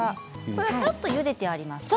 これはさっとゆでてありますか？